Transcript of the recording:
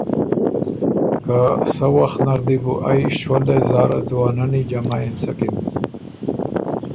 که سۀ وخت نر دی بو ائ شؤلېس زاره ځوانني جمع اېنڅکِن